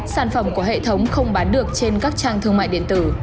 sản phẩm của hệ thống không bán được trên các trang thương mại điện tử